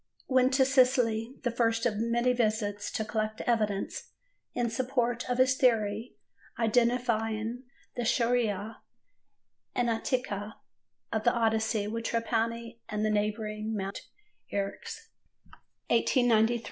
Went to Sicily, the first of many visits, to collect evidence in support of his theory identifying the Scheria and Ithaca of the Odyssey with Trapani and the neighbouring Mount Eryx. 1893.